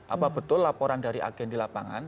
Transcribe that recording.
apa betul laporan dari agen di lapangan